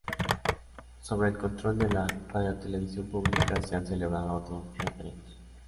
Sobre el control de la radiotelevisión pública se han celebrado dos referendos.